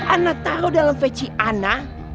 ana taruh dalam feci ana